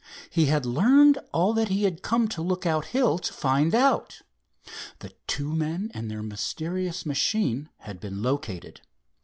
He had learned all that he had come to Lookout Hill to find out. The two men and their mysterious machine had been located.